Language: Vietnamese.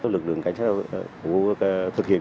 lực lượng cảnh sát thực hiện